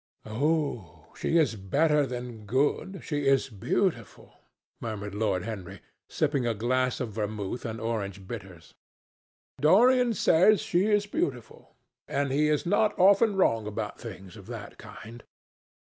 "Oh, she is better than good—she is beautiful," murmured Lord Henry, sipping a glass of vermouth and orange bitters. "Dorian says she is beautiful, and he is not often wrong about things of that kind.